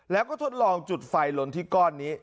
แล้วก็ทดลองจุดไฟลนที่ก้อนนี้